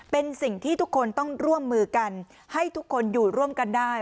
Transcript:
เป็นสิ่งที่ทุกคนต้องร่วมมือกันให้ทุกคนอยู่ร่วมกันได้